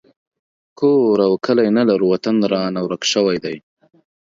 کور او کلی نه لرو وطن رانه ورک شوی دی